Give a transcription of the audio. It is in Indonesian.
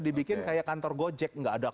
dibikin kayak kantor gojek nggak ada